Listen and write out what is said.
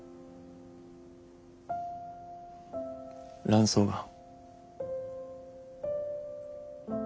卵巣がん。